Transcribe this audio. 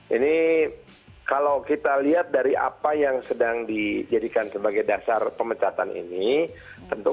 ini kalau kita lihat dari apa yang sedang dijadikan sebagai dasar pemecatan ini tentu